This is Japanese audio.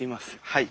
はい。